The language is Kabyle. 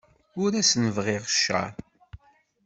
Ur asen-bɣiɣ cceṛ.